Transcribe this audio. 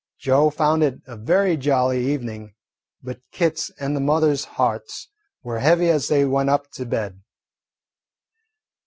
Joe found it a very jolly evening, but Kit's and the mother's hearts were heavy as they went up to bed.